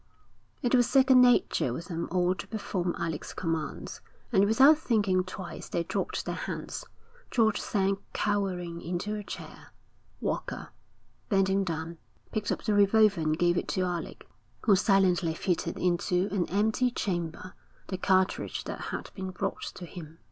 It was second nature with them all to perform Alec's commands, and without thinking twice they dropped their hands. George sank cowering into a chair. Walker, bending down, picked up the revolver and gave it to Alec, who silently fitted into an empty chamber the cartridge that had been brought to him.